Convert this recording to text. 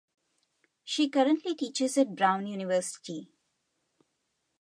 She currently teaches at Brown University.